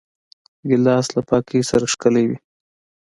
ګیلاس له پاکۍ سره ښکلی وي.